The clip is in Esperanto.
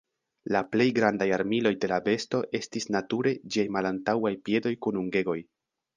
La plej grandaj armiloj de la besto estis nature ĝiaj malantaŭaj piedoj kun ungegoj.